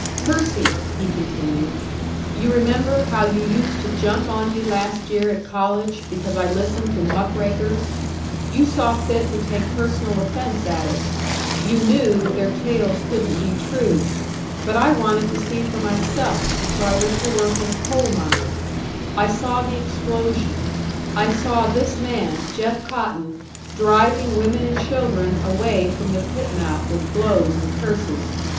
"Percy," he continued, "you remember how you used to jump on me last year at college, because I listened to 'muck rakers.' You saw fit to take personal offence at it. You knew that their tales couldn't be true. But I wanted to see for myself, so I went to work in a coal mine. I saw the explosion; I saw this man, Jeff Cotton, driving women and children away from the pit mouth with blows and curses.